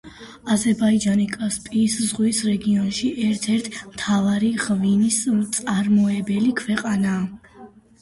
აზერბაიჯანი კასპიის ზღვის რეგიონში ერთ-ერთი მთავარი ღვინის მწარმოებელი ქვეყანაა.